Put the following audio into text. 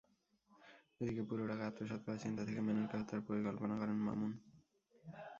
এদিকে পুরো টাকা আত্মসাৎ করার চিন্তা থেকে মেননকে হত্যার পরিকল্পনা করেন মামুন।